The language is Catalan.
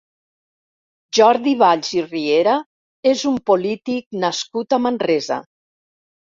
Jordi Valls i Riera és un polític nascut a Manresa.